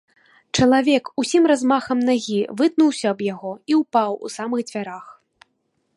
Чалавек усім размахам нагі вытнуўся аб яго і ўпаў у самых дзвярах.